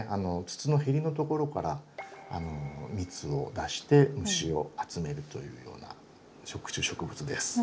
筒のヘリのところから蜜を出して虫を集めるというような食虫植物です。